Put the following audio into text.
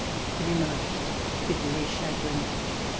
he remarked, bitterly chagrined.